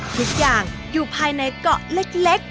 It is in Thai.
ทุกอย่างอยู่ภายในเกาะเล็ก